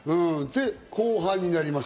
後半になります。